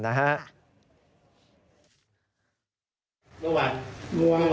เมื่อวันมันเป็นวันเกิดของน้องดอม